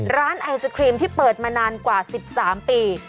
ร้านไอศครีมที่เปิดมานานกว่า๑๓ปี